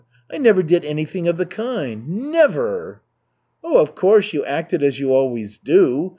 I never did anything of the kind. Nev v v er!" "Oh, of course, you acted as you always do.